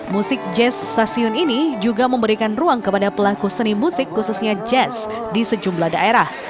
musik jazz stasiun ini juga memberikan ruang kepada pelaku seni musik khususnya jazz di sejumlah daerah